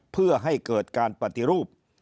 เพื่อให้เกิดการปฏิรูป